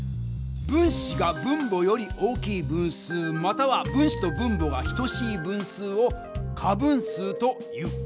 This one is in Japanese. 分子が分母より大きい分数または分子と分母が等しい分数を仮分数という。